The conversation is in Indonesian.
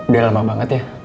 udah lama banget ya